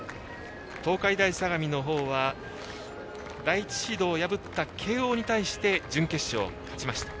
東海大相模のほうは第１シードを破った慶応に対して準決勝、勝ちました。